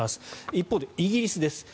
一方でイギリスです。